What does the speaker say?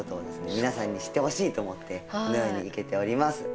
皆さんに知ってほしいと思ってこのように生けております。